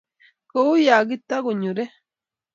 kou ya kitukunyorei.